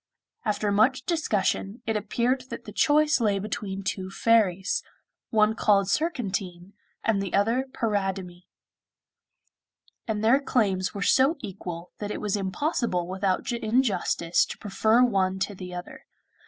After much discussion, it appeared that the choice lay between two fairies, one called Surcantine and the other Paridamie; and their claims were so equal that it was impossible without injustice to prefer one to the other.